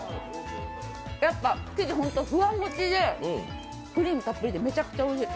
やっぱ生地、ほんとフワモチでクリームたっぷりでめちゃくちゃおいしい。